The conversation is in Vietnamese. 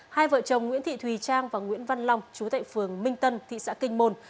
hai vợ chồng nguyễn thị thùy trang và nguyễn văn long chú tệ phường minh tân thị xã kinh môn